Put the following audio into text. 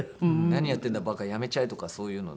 「何やってるんだバカやめちゃえ」とかそういうの。